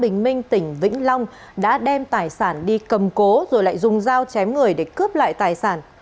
bình minh tỉnh vĩnh long đã đem tài sản đi cầm cố rồi lại dùng dao chém người để cướp lại tài sản